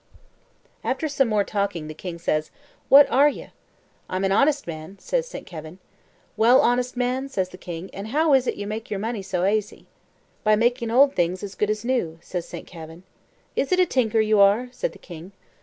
After some more talk the king says, "What are you?" "I'm an honest man," says Saint Kavin. "Well, honest man," says the king, "and how is it you make your money so aisy?" "By makin' old things as good as new," says Saint Kavin. "Is it a tinker you are?" says the king.